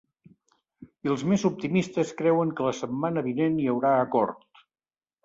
I els més optimistes creuen que la setmana vinent hi haurà acord.